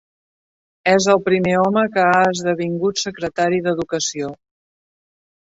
És el primer home que ha esdevingut secretari d'educació.